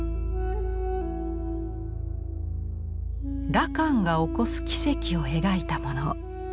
羅漢が起こす奇跡を描いたもの。